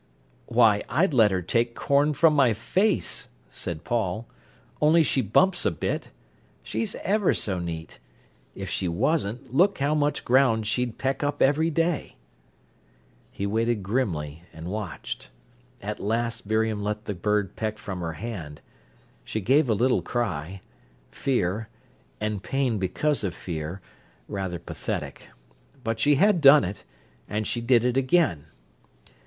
"Why, I'd let her take corn from my face," said Paul, "only she bumps a bit. She's ever so neat. If she wasn't, look how much ground she'd peck up every day." He waited grimly, and watched. At last Miriam let the bird peck from her hand. She gave a little cry—fear, and pain because of fear—rather pathetic. But she had done it, and she did it again.